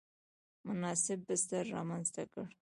مناسب بستر رامنځته کړ.